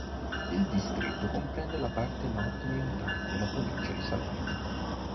Il distretto comprende la parte nord-orientale della provincia di Salerno.